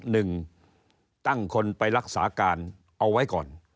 หนึ่งตั้งคนไปรักษาการเอาไว้ก่อน